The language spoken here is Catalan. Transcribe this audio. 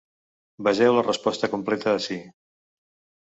Vegeu la resposta completa ací.